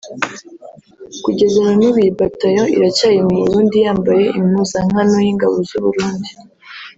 kugeza nan’ubu iyi bataillon iracyari mu Burundi yambaye impuzankano y’ingabo z’u Burundi